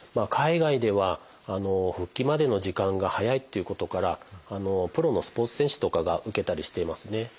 海外では復帰までの時間が早いっていうことからプロのスポーツ選手とかが受けたりしていますね。